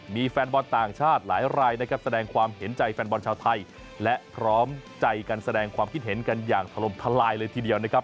มีแฟนบอลต่างชาติหลายรายนะครับแสดงความเห็นใจแฟนบอลชาวไทยและพร้อมใจกันแสดงความคิดเห็นกันอย่างถล่มทลายเลยทีเดียวนะครับ